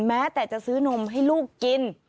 แม้แต่จะซื้อนมให้ลูกกิน